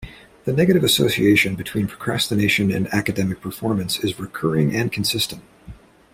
The negative association between procrastination and academic performance is recurring and consistent.